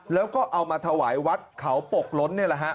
แล้วก็เอามาถวายวัดเขาปกล้นนี่แหละฮะ